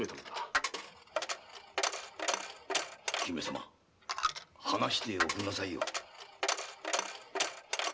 姫様話しておくんなさいよ。